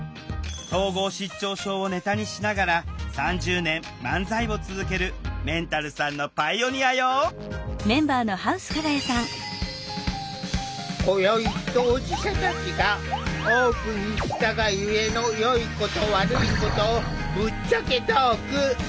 統合失調症をネタにしながら３０年漫才を続けるメンタルさんのパイオニアよ今宵当事者たちがオープンにしたがゆえのよいこと悪いことをぶっちゃけトーク。